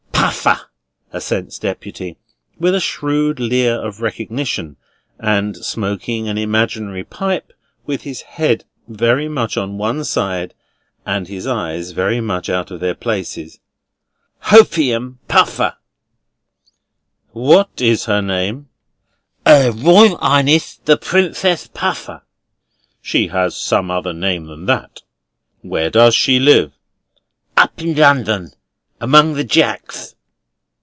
"Puffer," assents Deputy, with a shrewd leer of recognition, and smoking an imaginary pipe, with his head very much on one side and his eyes very much out of their places: "Hopeum Puffer." "What is her name?" "'Er Royal Highness the Princess Puffer." "She has some other name than that; where does she live?" "Up in London. Among the Jacks."